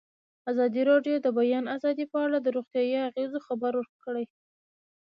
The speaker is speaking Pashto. ازادي راډیو د د بیان آزادي په اړه د روغتیایي اغېزو خبره کړې.